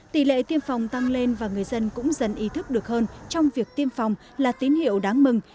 tỷ lệ tiêm phòng tăng lên và người dân cũng dần ý thức được hơn trong việc tiêm phòng là tín hiệu đáng mừng